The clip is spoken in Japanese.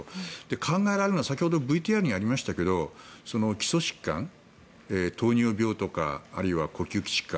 考えられるのは先ほどＶＴＲにありましたけど基礎疾患、糖尿病とかあるいは呼吸器疾患。